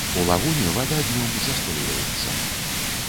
У лагуне вада днём застойваецца.